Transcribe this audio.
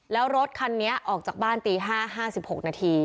แล้วรถคันนี้ออกจากบ้านตี๕๕๖นาที